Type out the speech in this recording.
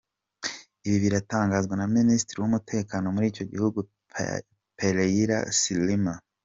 Ibi biratangazwa na Minisitiri w’umutekano muri icyo gihugu Pereira Silima.